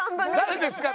「誰ですか？」